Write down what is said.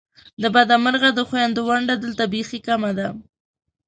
د بده مرغه د خوېندو ونډه دلته بیخې کمه ده !